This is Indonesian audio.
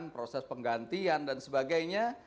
proses penggantian dan sebagainya